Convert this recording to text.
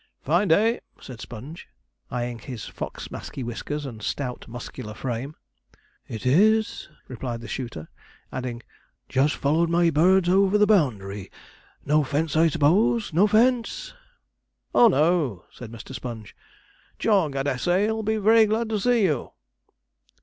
'Fine day!' said Sponge, eyeing his fox maskey whiskers and stout, muscular frame. 'It is,' replied the shooter; adding, 'just followed my birds over the boundary. No 'fence, I s'pose no 'fence.' 'Oh no,' said Mr. Sponge. 'Jog, I dessay, 'll be very glad to see you.'